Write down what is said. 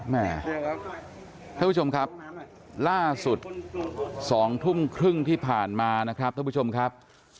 ท่านผู้ชมครับล่าสุด๒ทุ่มครึ่งที่ผ่านมานะครับท่านผู้ชมครับ